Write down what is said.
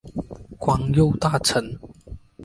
官右大臣。